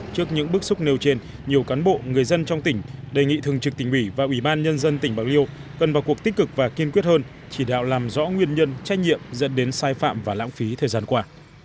trước những bước xúc nêu trên nhiều cán bộ người dân trong tỉnh đề nghị thường trực tỉnh ủy và ủy ban nhân dân tỉnh bạc liêu cần vào cuộc tích cực và kiên quyết hơn chỉ đạo làm rõ nguyên nhân trách nhiệm dẫn đến sai phạm và lãng phí thời gian qua